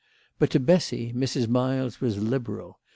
But to Bessy Mrs. Miles was liberal.